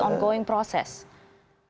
proses yang berlangsung